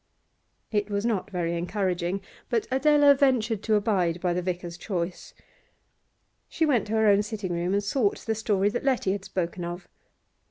It was not very encouraging, but Adela ventured to abide by the vicar's choice. She went to her own sitting room and sought the story that Letty had spoken of.